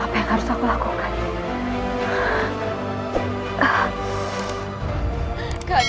apa yang harus aku lakukan